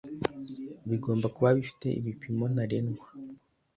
bigomba kuba bifite ibipimo ntarenwa